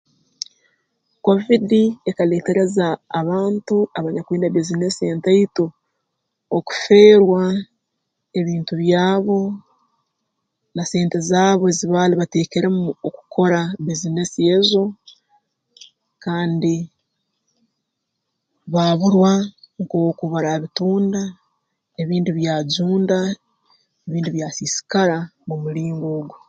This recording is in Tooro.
Kovidi ekaleetereza abantu abanyakwina bbiizinesi entaito okuferwa ebintu byabo na sente zaabo ezi baali bateekeremu mu okukora bbiizinesi ezo kandi baaburwa nk'oku baraabitunda ebindi byajunda ebindi byasiisikara mu mulingo ogu